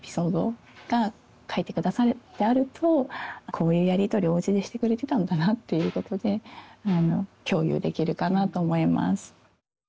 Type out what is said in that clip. こういうやりとりおうちでしてくれてたんだなっていうことで共有できるかなと思います。